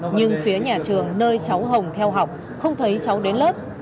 nhưng phía nhà trường nơi cháu hồng theo học không thấy cháu đến lớp